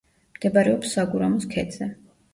მდებარეობს საგურამოს ქედზე.